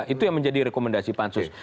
itu yang menjadi rekomendasi pansus